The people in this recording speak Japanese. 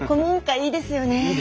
いいですよね。